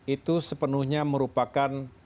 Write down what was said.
itu sepenuhnya merupakan